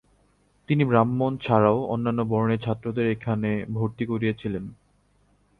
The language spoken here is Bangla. তিনি ব্রাহ্মণ ছাড়াও অন্যান্য বর্ণের ছাত্রদের এখানে ভর্তি করিয়েছিলেন।